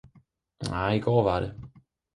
Nej, i går var det!